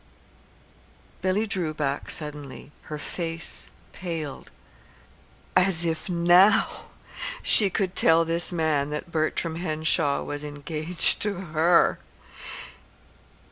Billy drew back suddenly. Her face paled. As if now she could tell this man that Bertram Henshaw was engaged to her!